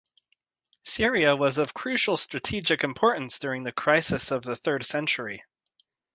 Syria was of crucial strategic importance during the Crisis of the Third Century.